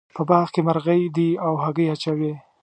په باغ کې مرغۍ دي او هګۍ اچوې